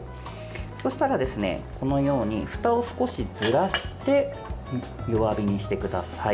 そうしたらですね、このようにふたを少しずらして弱火にしてください。